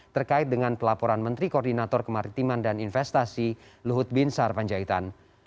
terkait dengan pelaporan menteri koordinator kemaritiman dan investasi luhut bin sarpanjaitan